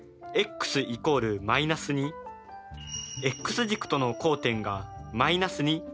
ｘ軸との交点が。